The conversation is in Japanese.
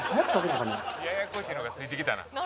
「ややこしいのがついてきたな」